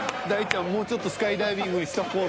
もうちょっとスカイダイビングにしとこう。